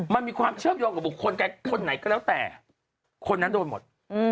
มันมีความเชื่อมโยงกับบุคคลใดคนไหนก็แล้วแต่คนนั้นโดนหมด